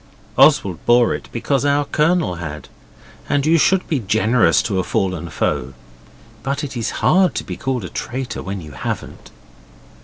Oswald bore it because our Colonel had, and you should be generous to a fallen foe, but it is hard to be called a traitor when you haven't.